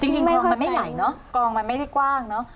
จริงคลองมันไม่ใหญ่เนอะคลองมันไม่ได้กว้างเนอะ